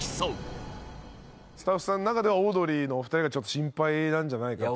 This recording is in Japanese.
スタッフさんの中ではオードリーのお二人がちょっと心配なんじゃないかと。